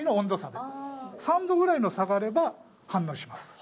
３度ぐらいの差があれば反応します。